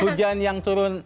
hujan yang turun